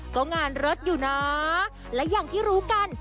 ก็งานเลิศอยู่นะและอย่างที่รู้กัน